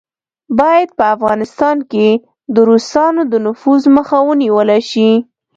باید په افغانستان کې د روسانو د نفوذ مخه ونیوله شي.